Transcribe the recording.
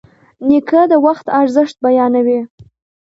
نیکه د وخت ارزښت بیانوي.